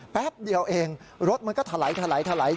แป๊บเดียวเองรถมันก็ถลาย